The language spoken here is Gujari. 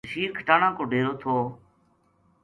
بشیر کھٹانہ کو ڈٰیرو تھو۔